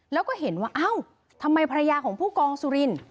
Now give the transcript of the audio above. แล้วก็เห็นว่าเอ้าทำไมภรรยาของผู้กองสุริน